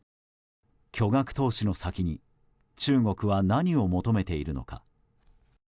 巨額投資の先に中国は何を求めているのか。